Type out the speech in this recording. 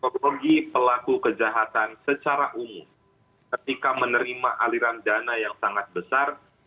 kronologi pelaku kejahatan secara umum ketika menerima aliran dana yang sangat besar